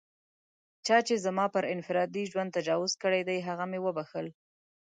چا چې زما پر انفرادي ژوند تجاوز کړی دی، هغه مې و بښل.